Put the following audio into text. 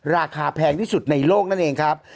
แพงที่สุดในโลกนั่นเองครับ